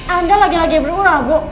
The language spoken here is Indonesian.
anda lagi lagi bermurah bu